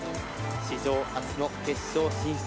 史上初の決勝進出。